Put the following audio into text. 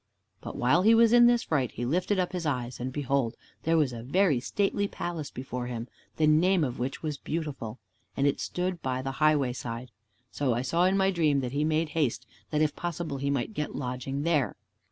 But while he was in this fright, he lifted up his eyes, and behold, there was a very stately palace before him, the name of which was Beautiful, and it stood by the highway side. So I saw in my dream that he made haste, that if possible he might get lodging there.